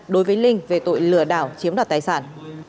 đối với linh về tội lừa đảo chiếm đoạt tài sản